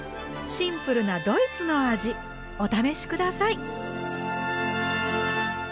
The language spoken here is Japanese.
シンプルなドイツの味お試し下さい。